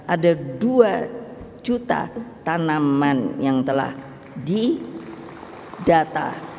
ada dua juta tanaman yang telah didata